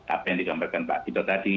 apa yang digambarkan pak ridot tadi